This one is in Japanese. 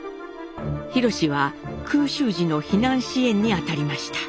廣は空襲時の避難支援に当たりました。